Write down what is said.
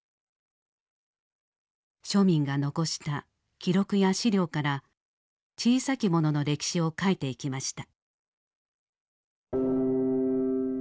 庶民が残した記録や資料から「小さきもの」の歴史を書いていきました。